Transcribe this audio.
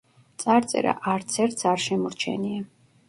წარწერა არც ერთს არ შემორჩენია.